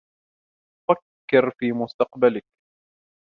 فكر في مستقبلك!